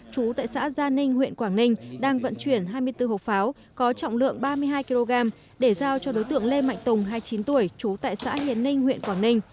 chú tại xã gia ninh huyện quảng ninh đang vận chuyển hai mươi bốn hộp pháo có trọng lượng ba mươi hai kg để giao cho đối tượng lê mạnh tùng hai mươi chín tuổi trú tại xã hiền ninh huyện quảng ninh